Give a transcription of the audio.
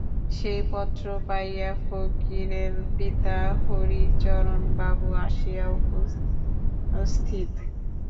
সেই পত্র পাইয়া ফকিরের পিতা হরিচরণবাবু আসিয়া উপস্থিত।